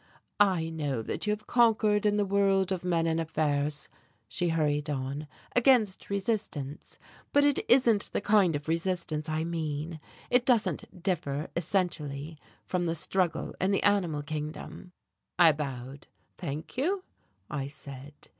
"I know that you have conquered in the world of men and affairs," she hurried on, "against resistance, but it isn't the kind of resistance I mean. It doesn't differ essentially from the struggle in the animal kingdom." I bowed. "Thank you," I said.